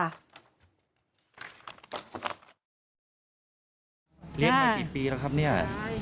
กี่ปีแล้วครับเนี่ย